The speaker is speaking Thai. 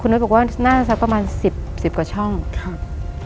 น้อยบอกว่าน่าจะสักประมาณสิบสิบกว่าช่องครับ